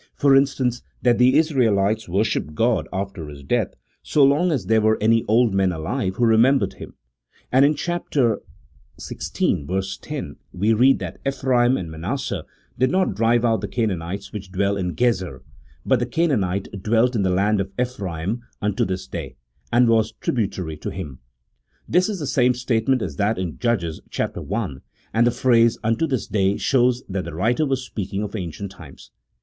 For instance, that the Israelites worshipped God, after his death, so long as there were any old men alive who remembered him ; and in chap. xvi. 10, we read that "Ephraim and Manasseh did not drive out the Canaanites which dwelt in Gezer, but the Oanaanite dwelt in the land of Ephraim unto this day, and was tributary to him." This is the same statement as that in Judges, chap, i., and the phrase " unto this day " shows that the writer was speaking of ancient times.